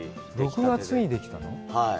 ６月にできたの？